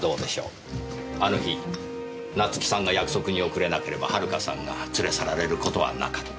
あの日夏樹さんが約束に遅れなければ遥さんが連れ去られる事はなかった。